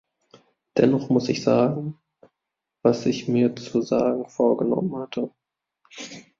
Dennoch muss ich sagen, was ich mir zu sagen vorgenommen hatte.